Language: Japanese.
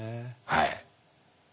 はい。